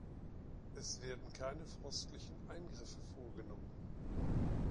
Es werden keine forstlichen Eingriffe vorgenommen.